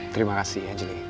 terima kasih angelie